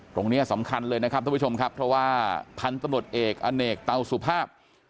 ตรงนี้สำคัญเลยนะครับท่านผู้ชมครับเพราะว่าพันธุ์ตำรวจเอกอเนกเตาสุภาพ